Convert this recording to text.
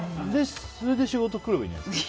それで仕事来ればいいんじゃないですか。